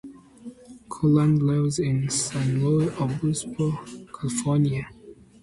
Kurland lives in San Luis Obispo, California.